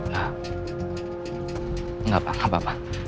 gak apa apa pak